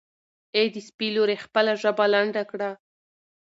ای د سپي لورې خپله ژبه لنډه کړه.